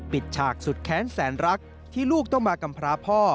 ฉากสุดแค้นแสนรักที่ลูกต้องมากำพราพ่อ